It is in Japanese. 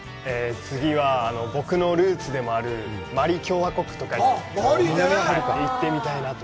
次は僕のルーツでもあるマリ共和国とか行ってみたいなと。